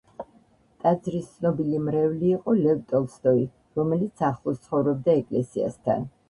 ტაძრის ცნობილი მრევლი იყო ლევ ტოლსტოი, რომელიც ახლოს ცხოვრობდა ეკლესიასთან.